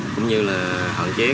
cũng như là hạn chế